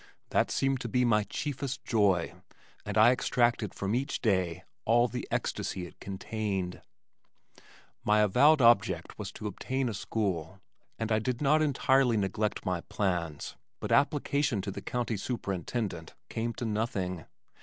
that seemed to be my chiefest joy and I extracted from each day all the ecstasy it contained. My avowed object was to obtain a school and I did not entirely neglect my plans but application to the county superintendent came to nothing.